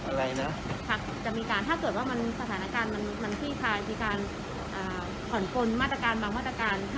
คนบันดาลที่เกิดแตกรวดห่วงห่วงสถานการณ์มันมีการถ่อนกลมาตรกาลบางวัตกาล